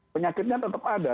penyakitnya tetap ada